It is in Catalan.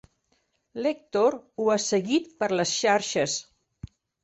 L'Èctor ho ha seguit per les xarxes.